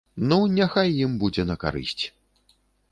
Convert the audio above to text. Ну, няхай ім будзе на карысць.